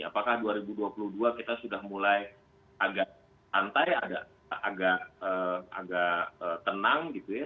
apakah dua ribu dua puluh dua kita sudah mulai agak santai agak tenang gitu ya